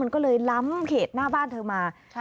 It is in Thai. ก็เลยล้ำเขตหน้าบ้านเธอมา